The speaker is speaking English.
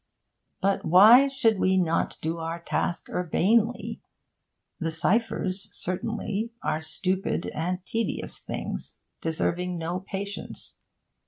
But why should we not do our task urbanely? The cyphers, certainly, are stupid and tedious things, deserving no patience.